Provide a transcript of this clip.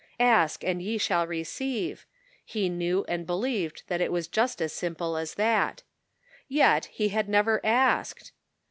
" Ask and ye shall receive," he knew and believed that it was just as simple as that. Yet he had never asked